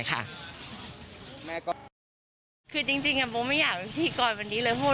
คือจริงบ่ไม่อยากเป็นพิธีกรแบบนี้เลย